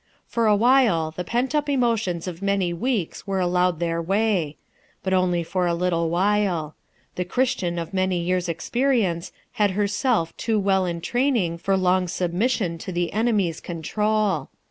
For a while the pent up emotions of many weeks were allowed their way. But only for a little while. The Christian of many years' experience had herself too well in training for long sub mission to the enemy's control.